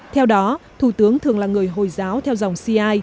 theo đó thủ tướng thường là người hồi giáo theo dòng cia